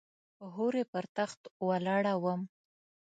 هورې پر تخت ولاړه وم .